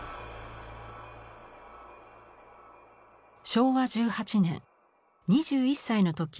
昭和１８年２１歳の時